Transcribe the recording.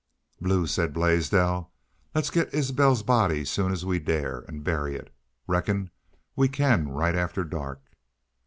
"Blue," said Blaisdell, "let's get Isbel's body soon as we dare, an' bury it. Reckon we can, right after dark."